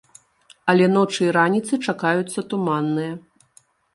Але ночы і раніцы чакаюцца туманныя.